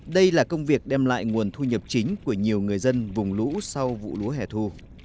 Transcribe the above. đây là công việc đem lại nguồn thu nhập chính của nhiều người dân vùng lũ sau vụ lúa hẻ thu